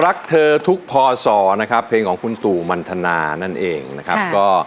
รักเธอทุกพศนะครับเพลงของคุณตู่มันทนานั่นเองนะครับก็